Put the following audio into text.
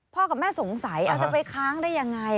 กับแม่สงสัยอาจจะไปค้างได้ยังไง